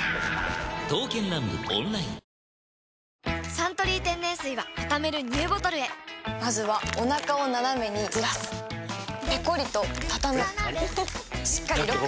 「サントリー天然水」はたためるＮＥＷボトルへまずはおなかをナナメにずらすペコリ！とたたむしっかりロック！